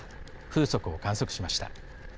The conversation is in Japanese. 風速を観測しました。